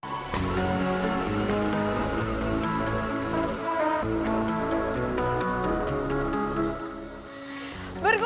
berkumpul bersama kita